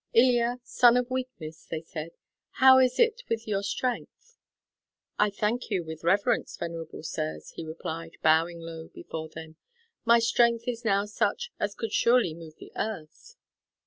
"Ilya, son of weakness," they said, "how is it with your strength?" "I thank you with reverence, venerable sirs," he replied, bowing low before them, "my strength is now such as could surely move the earth."